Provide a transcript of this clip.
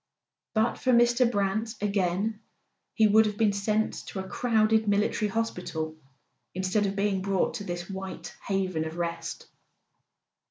But for Mr. Brant, again, he would have been sent to a crowded military hospital instead of being brought to this white heaven of rest.